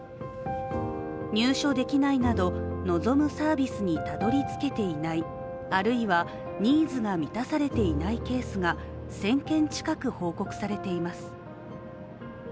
入所できないなど望むサービスにたどり着けていない、あるいは、ニーズが満たされていないケースが１０００件近く報告されています。